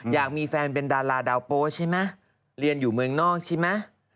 อยากมีแฟนเป็นดาราดาวโป๊ใช่ไหมเรียนอยู่เมืองนอกใช่ไหม